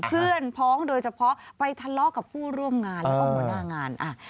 เพื่อนพ้องโดยเฉพาะไปทะเลาะกับผู้ร่วมงานแล้วก็หัวหน้างาน